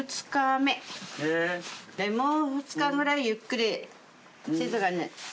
もう２日ぐらいゆっくり静かに。